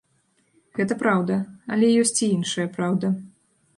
Гэта праўда, але ёсць і іншая праўда.